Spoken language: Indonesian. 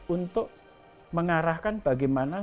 untuk mengarahkan bagaimana